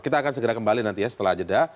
kita akan segera kembali nanti ya setelah jeda